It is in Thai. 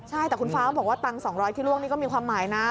ใช่แต่คุณฟ้าบอกว่าตังค์๒๐๐ที่ล่วงนี่ก็มีความหมายนะ